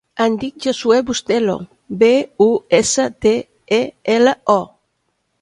Em dic Josuè Bustelo: be, u, essa, te, e, ela, o.